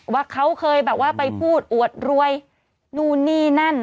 ว่าเขาเคยแบบว่าไปพูดอวดรวยนู่นนี่นั่น